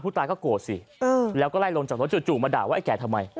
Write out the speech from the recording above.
ตายก็โกรธสิแล้วก็ไล่ลงจากรถจู่มาด่าว่าไอแก่ทำไม